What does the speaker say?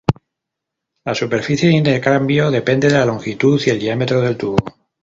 La superficie de intercambio depende de la longitud y el diámetro del tubo.